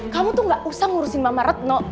kamu tuh gak usah ngurusin mama retno